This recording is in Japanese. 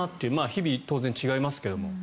日々、当然違いますけど。